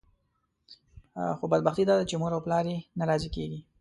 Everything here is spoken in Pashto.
خو بدبختي داده چې مور او پلار یې نه راضي کېږي.